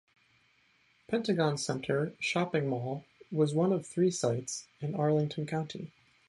Pentagon Centre, shopping mall, was one of three sites in Arlington County.